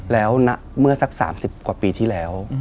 แล้วเมื่อสัก๓๐กว่าปีที่แล้ว